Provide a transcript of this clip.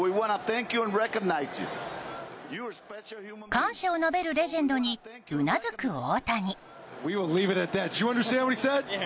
感謝を述べるレジェンドにうなずく大谷。